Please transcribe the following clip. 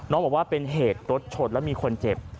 บอกว่าเป็นเหตุรถชนแล้วมีคนเจ็บ